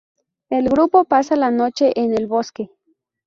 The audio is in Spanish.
El grupo pasa la noche en el bosque.